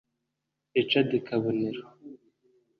Richard Kabonero